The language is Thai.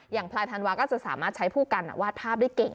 พลายธันวาก็จะสามารถใช้ผู้กันวาดภาพได้เก่ง